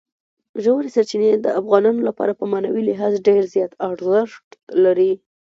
ژورې سرچینې د افغانانو لپاره په معنوي لحاظ ډېر زیات ارزښت لري.